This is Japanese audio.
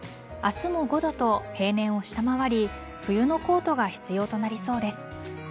明日も５度と平年を下回り冬のコートが必要となりそうです。